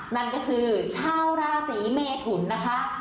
นั่นก็คือชาวราศีเมทุนนะคะ